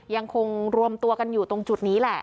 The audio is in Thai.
ยังคงรวมตัวกันอยู่ตรงจุดนี้แหละ